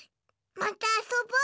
またあそぼう。